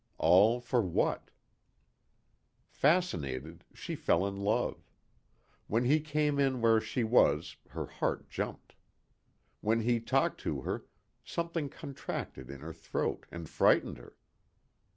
All for what? Fascinated, she fell in love. When he came in where she was, her heart jumped. When he talked to her, something contracted in her throat, and frightened her.